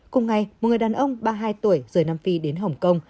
cùng ngày một người đàn ông ba mươi hai tuổi rời nam phi đến hồng kông